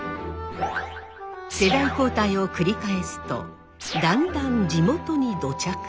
世代交代を繰り返すとだんだん地元に土着。